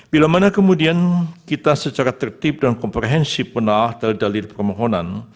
bila mana kemudian kita secara tertib dan komprehensif pernah terdalir permohonan